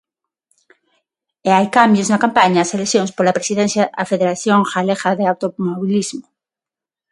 E hai cambios na campaña ás eleccións pola presidencia á Federación Galega de Automobilismo.